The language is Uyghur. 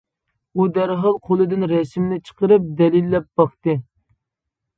ئۇ دەرھال قولىدىن رەسىمنى چىقىرىپ دەلىللەپ باقتى.